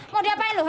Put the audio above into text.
mau diapain lu